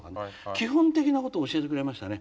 基本的なことを教えてくれましたね。